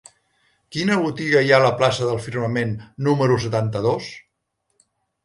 Quina botiga hi ha a la plaça del Firmament número setanta-dos?